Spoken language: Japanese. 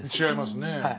違いますねぇ。